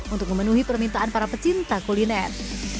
untuk memenuhi permintaan para pecinta kuliner